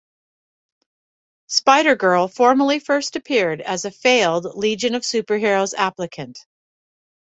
Spider Girl formally first appeared as a failed Legion of Super-Heroes applicant.